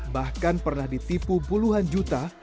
bahkan pernah ditipu puluhan juta